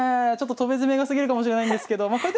ちょっと戸辺攻めが過ぎるかもしれないんですけどま